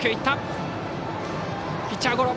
ピッチャーゴロ。